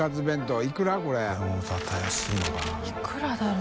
いくらだろう？